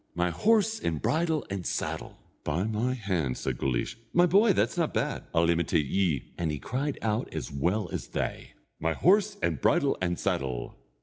My horse, and bridle, and saddle!" "By my hand," said Guleesh, "my boy, that's not bad. I'll imitate ye," and he cried out as well as they: "My horse, and bridle, and saddle!